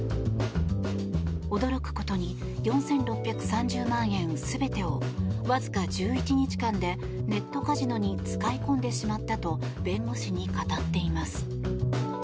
驚くことに４６３０万円全てをわずか１１日間でネットカジノに使い込んでしまったと弁護士に語っています。